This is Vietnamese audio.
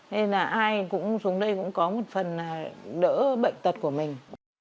thế là ai cũng xuống đây cũng có một phần là đỡ bệnh tật của mình